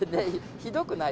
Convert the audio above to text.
ひどくない？